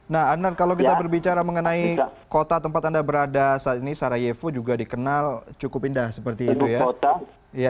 nah anard kalau kita berbicara mengenai kota tempat anda berada saat ini sarayevo juga dikenal cukup indah seperti itu ya